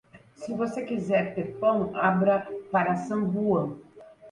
Se você quiser ter pão, abra para San Juan.